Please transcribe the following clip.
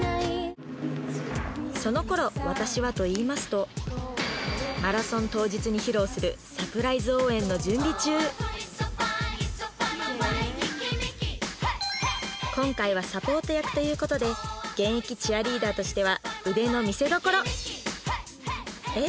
その頃私はといいますとマラソン当日に披露するサプライズ応援の準備中今回はサポート役ということで現役チアリーダーとしては腕の見せどころえっ